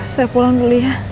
saya pulang dulu ya